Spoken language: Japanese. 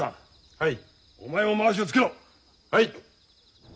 はい！